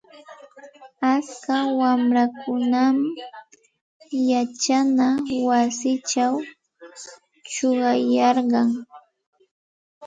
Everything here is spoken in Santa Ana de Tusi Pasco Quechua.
Atska wamrakunam yachana wasichaw chuqayarkan.